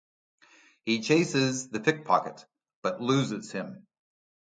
He chases the pickpocket, but loses him.